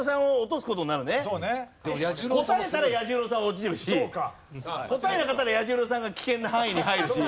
答えたら彌十郎さん落ちるし答えなかったら彌十郎さんが危険な範囲に入るし。